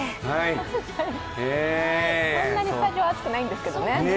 そんなにスタジオ、暑くないんですけどね。